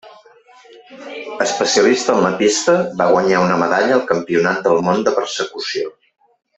Especialista en la pista, va guanyar una medalla al Campionat del món de persecució.